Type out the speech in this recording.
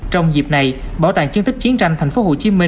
trong dịp này bảo tàng chứng tích chiến tranh tp hcm